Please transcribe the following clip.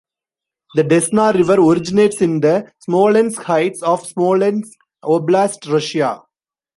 The Desna River originates in the Smolensk Heights of Smolensk Oblast, Russia.